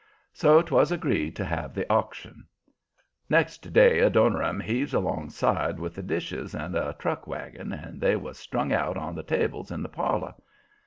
So 'twas agreed to have the auction. Next day Adoniram heaves alongside with the dishes in a truck wagon, and they was strung out on the tables in the parlor.